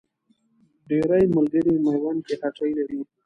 ډېری ملګري میوند کې هټۍ لري.